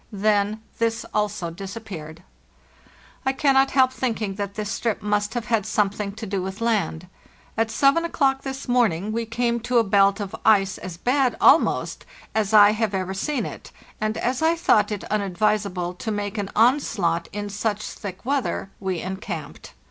Then this also disappeared. I cannot help thinking that this strip must have had something to do with land. At 7 o'clock this morning we came to a belt of ice as bad, almost, as I have ever seen it, and as I thought it unadvisable to make an onslaught in such thick weather, we encamped.